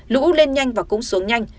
lũ lên nhanh và cũng xuống nhanh